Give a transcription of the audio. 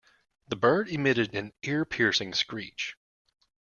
The bird emitted an ear-piercing screech.